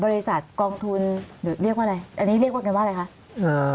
บริษัทกองทุนหรือเรียกว่าอะไรอันนี้เรียกว่ากันว่าอะไรคะ